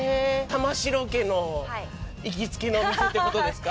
玉城家の行きつけのお店ということですか？